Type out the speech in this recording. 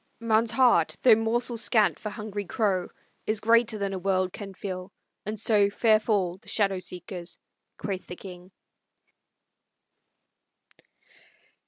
"Man's heart, though morsel scant for hungry crow, Is greater than a world can fill, and so Fair fall the shadow seekers!" quoth the king.